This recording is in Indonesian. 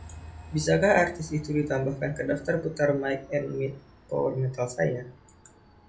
Bisakah artisi tu ditambahkan ke daftar putar Might and Myth Power Metal saya?